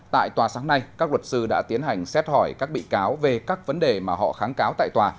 tại tòa sáng nay các luật sư đã tiến hành xét hỏi các bị cáo về các vấn đề mà họ kháng cáo tại tòa